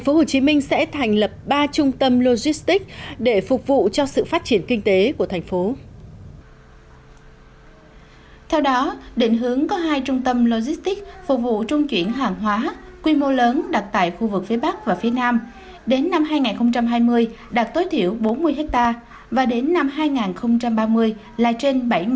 và đến năm hai nghìn ba mươi là trên bảy mươi hectare